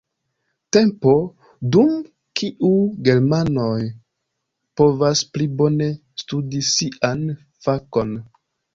Tempo, dum kiu germanoj povas pli bone studi sian fakon.